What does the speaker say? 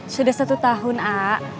sudah satu tahun a